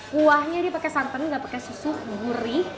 kuahnya dia pakai santan nggak pakai susu gurih